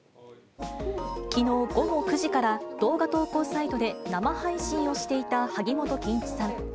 きのう午後９時から動画投稿サイトで生配信をしていた萩本欽一さん。